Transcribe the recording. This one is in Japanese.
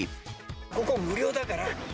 ここ、無料だから。